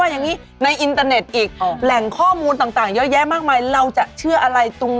สิ่งหนึ่งที่ต้องบอกว่าหลายคนกังวลก็คือมันมีสารพัดความรู้ที่มาจากหลายอย่างเส้น